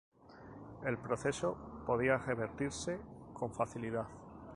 El proceso podía revertirse con facilidad.